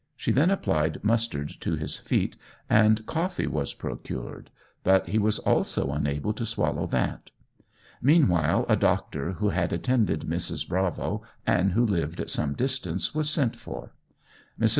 She then applied mustard to his feet, and coffee was procured, but he was also unable to swallow that. Meanwhile a doctor, who had attended Mrs. Bravo, and who lived at some distance, was sent for. Mrs.